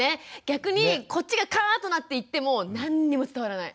逆にこっちがカーッとなって言っても何にも伝わらない。